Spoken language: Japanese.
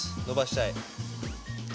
伸ばしたい。